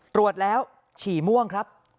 ตรวจแล้วฉี่ม่วงครับ